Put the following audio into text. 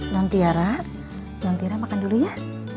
don tiara don tiara makan dulu ya